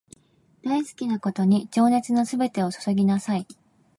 大好きなことに情熱のすべてを注ぎなさい